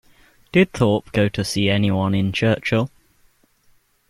Did Thorpe go to see any one in Churchill.